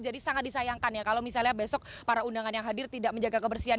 jadi sangat disayangkan ya kalau misalnya besok para undangan yang hadir tidak menjaga kebersihan